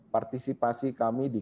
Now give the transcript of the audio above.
partisipasi kami di